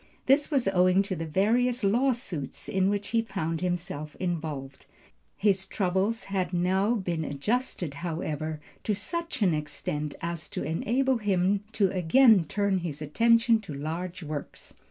This was owing to the various lawsuits in which he found himself involved. His troubles had now been adjusted, however, to such an extent as to enable him to again turn his attention to large works.